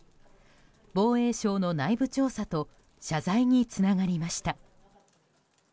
防衛省の内部調査と謝罪につながりました。